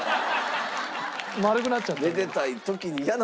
丸くなっちゃった。